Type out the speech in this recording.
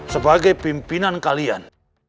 sebagai pimpinan kalian